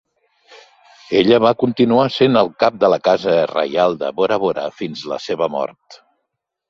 Ella va continuar sent el cap de la casa reial de Bora Bora fins la seva mort.